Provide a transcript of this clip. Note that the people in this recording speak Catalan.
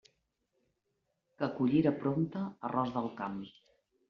Que collira prompte arròs del camp!